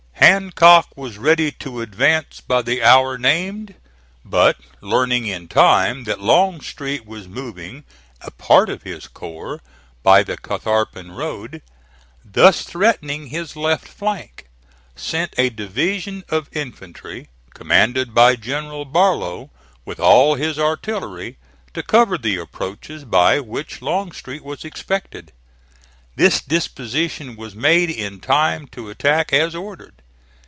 Hancock was ready to advance by the hour named, but learning in time that Longstreet was moving a part of his corps by the Catharpin Road, thus threatening his left flank, sent a division of infantry, commanded by General Barlow, with all his artillery, to cover the approaches by which Longstreet was expected. This disposition was made in time to attack as ordered.